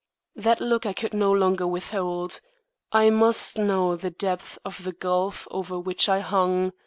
That look I could no longer withhold. I must know the depth of the gulf over which I hung.